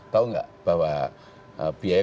tahu nggak bahwa biaya